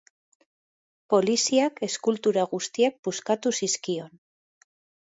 Poliziak eskultura guztiak puskatu zizkion.